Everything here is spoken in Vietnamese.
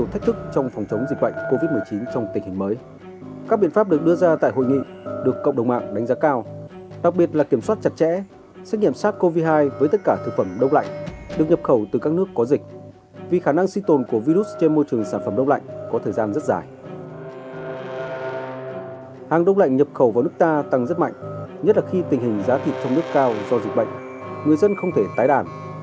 hàng đốc lạnh nhập khẩu vào nước ta tăng rất mạnh nhất là khi tình hình giá thịt trong nước cao do dịch bệnh người dân không thể tái đàn